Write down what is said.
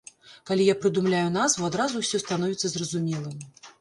Калі я прыдумляю назву, адразу ўсё становіцца зразумелым.